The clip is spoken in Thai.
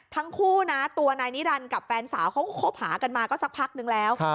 ทั้งคู่นะตัวนายนิรันดิ์กับแฟนสาวเขาก็คบหากันมาก็สักพักนึงแล้ว